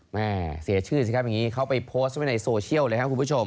แม่เสียชื่อสิครับอย่างนี้เขาไปโพสต์ไว้ในโซเชียลเลยครับคุณผู้ชม